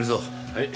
はい。